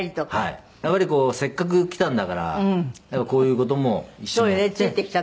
やっぱりこうせっかく来たんだからこういう事も一緒にやって。